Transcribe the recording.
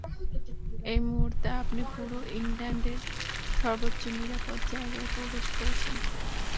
এই মুহূর্তে আপনি পুরো ইংল্যান্ডের সর্বোচ্চ নিরাপদ জায়গায় প্রবেশ করছেন।